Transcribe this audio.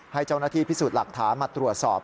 ให้เจ้าหน้าที่พิสูจน์หลักฐานมาตรวจสอบ